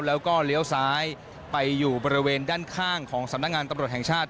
แล้วก็เลี้ยวซ้ายไปอยู่บริเวณด้านข้างของสำนักงานตำรวจแห่งชาติ